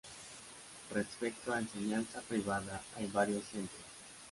Respecto a enseñanza privada, hay varios centros.